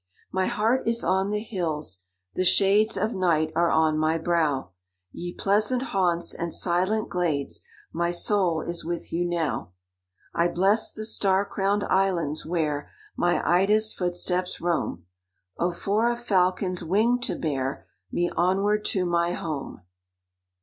"My heart is on the hills. The shades Of night are on my brow: Ye pleasant haunts and silent glades, My soul is with you now! I bless the star crowned islands where My IDA'S footsteps roam: Oh for a falcon's wing to bear Me onward to my home!"